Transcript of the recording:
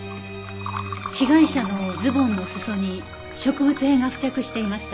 被害者のズボンの裾に植物片が付着していました。